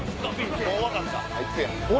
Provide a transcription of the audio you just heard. もう分かったあいつや！